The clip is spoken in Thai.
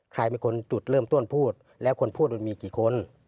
ใครเป็นคนจุดเริ่มต้นพูดแล้วคนพูดมันมีกี่คน